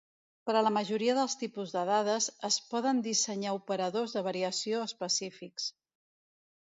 Per a la majoria dels tipus de dades, es poden dissenyar operadors de variació específics.